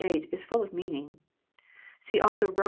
38) is ftill of meaning. (See also Bom.